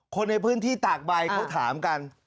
คนในพื้นที่ตากใบเขาถามกัน